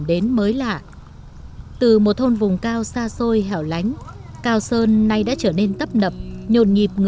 đây là một vườn hoa tọa lạc trên núi cao sơn thuộc xã hoành mô huyện bình liêu